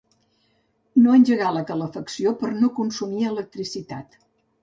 No engegar la calefacció per no consumir electricitat.